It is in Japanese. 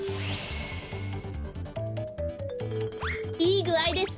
いいぐあいです。